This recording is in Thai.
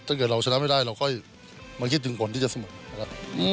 ถ้าเกิดเราชนะไม่ได้เราค่อยมาคิดถึงผลที่จะเสมอนะครับ